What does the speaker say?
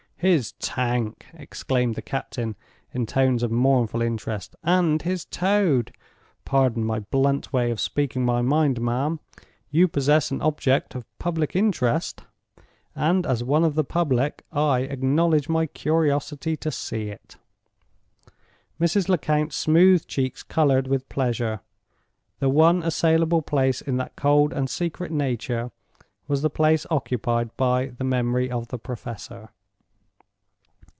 "His Tank!" exclaimed the captain, in tones of mournful interest; "and his Toad! Pardon my blunt way of speaking my mind, ma'am. You possess an object of public interest; and, as one of the public, I acknowledge my curiosity to see it." Mrs. Lecount's smooth cheeks colored with pleasure. The one assailable place in that cold and secret nature was the place occupied by the memory of the Professor.